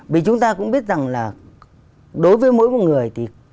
vì chúng ta cũng biết rằng là đối với mỗi một người thì